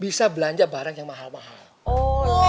bisa belanja barang yang mahal mahal